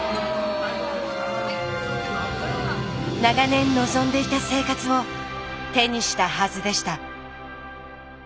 長年望んでいた生活を手にしたはずでした。